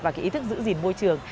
và cái ý thức giữ gìn môi trường